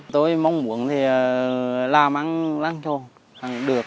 tôi mong muốn là làm ăn răng cho hẳn được